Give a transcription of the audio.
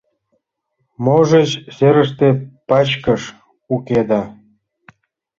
Можыч, серыште пачкыш уке да?